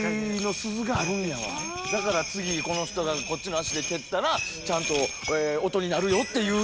だから次この人がこっちの足で蹴ったらちゃんと音になるよっていうのんで。